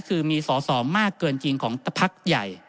คือมีสอสอมากเกินจริงของพักใหญ่